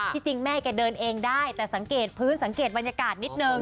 จริงแม่แกเดินเองได้แต่สังเกตพื้นสังเกตบรรยากาศนิดนึง